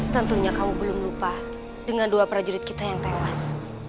tentunya kamu belum lupa dengan dua prajurit kita yang tewas